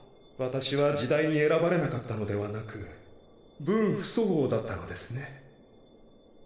私は時代に選ばれなかったのではなく分不相応だったのですね。